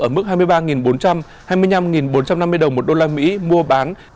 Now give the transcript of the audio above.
ở mức hai mươi ba bốn trăm hai mươi năm bốn trăm năm mươi đồng một đô la mỹ mua bán